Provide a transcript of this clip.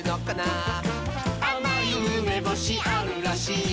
「あまいうめぼしあるらしい」